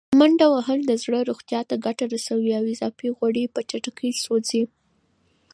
منډه وهل د زړه روغتیا ته ګټه رسوي او اضافي غوړي په چټکۍ سوځوي.